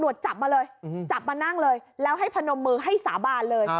จับมาเลยจับมานั่งเลยแล้วให้พนมมือให้สาบานเลย